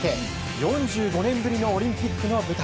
４５年ぶりのオリンピックの舞台。